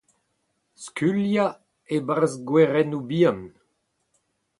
Skuilhañ e-barzh gwerennoù bihan.